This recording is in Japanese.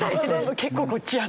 結構こっちやな。